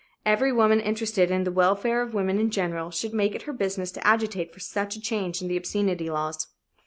Every woman interested in the welfare of women in general should make it her business to agitate for such a change in the obscenity laws.